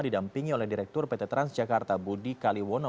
didampingi oleh direktur pt transjakarta budi kaliwono